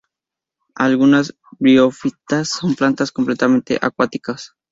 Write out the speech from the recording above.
Algunas briofitas son plantas completamente acuáticas.